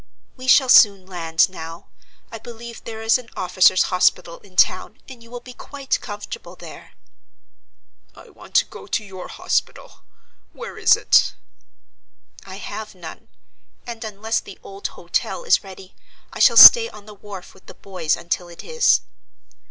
"We shall soon land now; I believe there is an officers' hospital in the town, and you will be quite comfortable there." "I want to go to your hospital: where is it?" "I have none; and, unless the old hotel is ready, I shall stay on the wharf with the boys until it is."